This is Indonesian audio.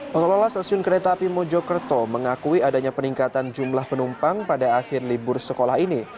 pengelola stasiun kereta api mojokerto mengakui adanya peningkatan jumlah penumpang pada akhir libur sekolah ini